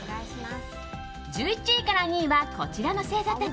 １１位から２位はこちらの星座たち。